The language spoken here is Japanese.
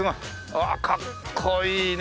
うわっかっこいいね！